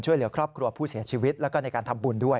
ช่วยเหลือครอบครัวผู้เสียชีวิตแล้วก็ในการทำบุญด้วย